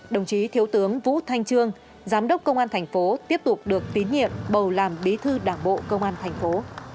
đồng chí thiếu tướng vũ thanh trương giám đốc công an thành phố tiếp tục được tín nhiệm bầu làm bí thư đảng bộ công an thành phố